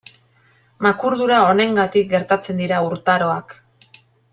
Makurdura honengatik gertatzen dira urtaroak.